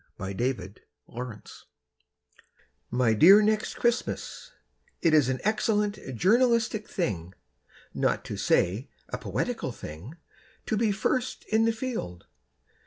TO NEXT CHRISTMAS My dear Next Christmas, It is an excellent journalistic thing, Not to say a poetical thing, To be first in the field.